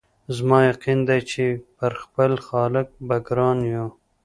زما یقین دی چي پر خپل خالق به ګران یو